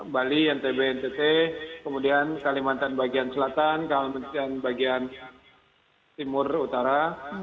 bali ntb ntt kemudian kalimantan bagian selatan kalimantan bagian timur utara